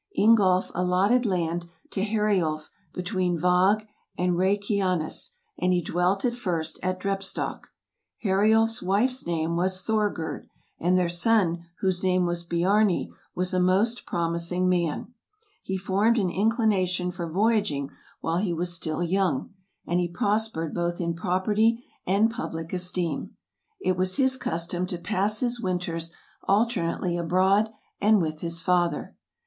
Ingolf allotted land to Heriulf between Vag and Reykianess, and he dwelt at first at Drepstokk. Heriulf 's wife's name was Thorgerd, and their son, whose name was Biarni, was a most promising man. He formed an inclination for voyaging while he was still young, and he prospered both in property and public esteem. It was his custom to pass his winters alternately abroad and with his father.